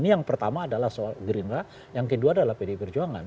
ini yang pertama adalah soal gerindra yang kedua adalah pdi perjuangan